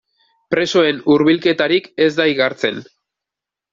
Presoen hurbilketarik ez da igartzen.